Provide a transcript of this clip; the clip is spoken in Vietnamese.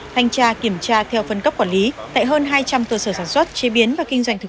thanh tra kiểm tra theo phân cấp quản lý tại hơn hai trăm linh cơ sở sản xuất chế biến và kinh doanh thực